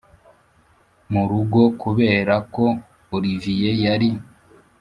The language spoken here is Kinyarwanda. murugo kubera ko olivier yari